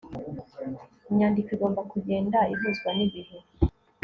inyandiko igomba kugenda ihuzwa n'ibihe